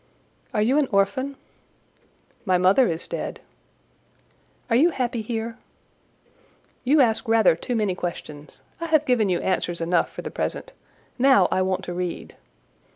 "Are you an orphan?" "My mother is dead." "Are you happy here?" "You ask rather too many questions. I have given you answers enough for the present: now I want to read."